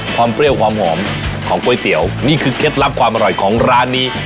เปรี้ยวความหอมของก๋วยเตี๋ยวนี่คือเคล็ดลับความอร่อยของร้านนี้